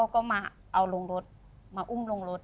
ก็มาเอาลงรถมาอุ้มลงรถ